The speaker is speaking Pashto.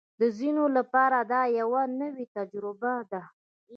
د ځینو لپاره دا یوه نوې تجربه ده